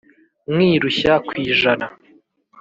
Mwirushya kwijana